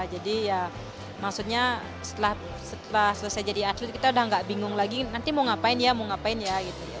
jadi ya maksudnya setelah selesai jadi atlet kita udah gak bingung lagi nanti mau ngapain ya mau ngapain ya gitu